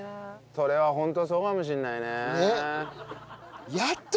それはホントそうかもしんないねえ。